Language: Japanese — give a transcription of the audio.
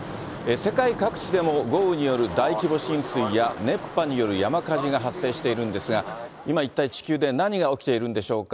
世界各地でも豪雨にによる大規模浸水や、熱波による山火事が発生しているんですが、今、一体地球で何が起きているんでしょうか。